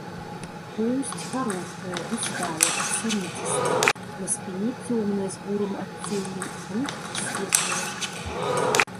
Поўсць кароткая, густая, аксаміцістая, на спіне цёмная з бурым адценнем, брушка светлае.